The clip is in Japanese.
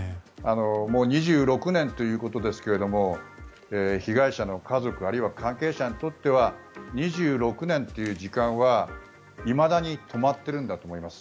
もう２６年ということですけど被害者の家族あるいは関係者にとっては２６年という時間はいまだに止まってるんだと思います。